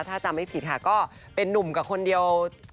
ถ้าจำไม่ผิดค่ะก็เป็นนุ่มกับคนเดียว